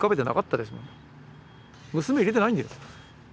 娘入れてないんだよね。